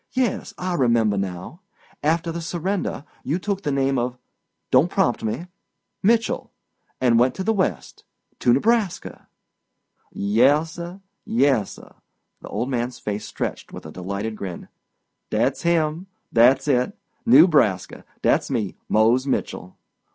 Yes, I remember now. After the surrender, you took the name of—don't prompt me—Mitchell, and went to the West—to Nebraska." "Yassir, yassir,"—the old man's face stretched with a delighted grin—"dat's him, dat's it. Newbraska. Dat's me—Mose Mitchell.